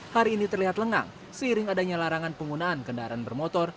hari ini terlihat lengang seiring adanya larangan penggunaan kendaraan bermotor